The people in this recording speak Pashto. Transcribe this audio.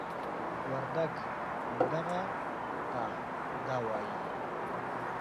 وردگ "دغه" ته "دَ" وايي.